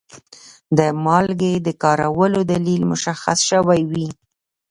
د مالګې د کارولو دلیل مشخص شوی وي.